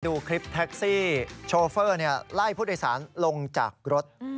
ดูคลิปแท็กซี่โชเฟอร์ไล่ผู้โดยสารลงจากรถ